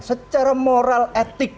secara moral etik